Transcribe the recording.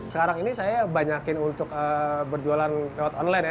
sekarang ini saya banyakin untuk berjualan lewat online ya